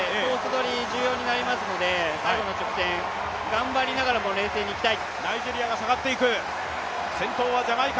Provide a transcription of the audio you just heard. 取り重要になりますので最後の直線、頑張りながらも冷静にいきたい。